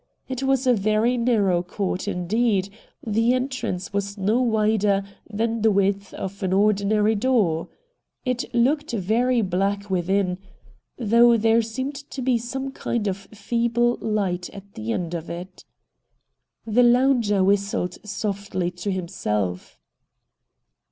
It was a very narrow court indeed ; the entrance was no wider than the width of an ordinary door. It looked very black within, though I04 RED DIAMONDS there seemed to be some kind of feeble light at the end of it. The lounger whistled softly to himself.